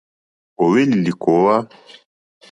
Ò hwélì lìkòówá.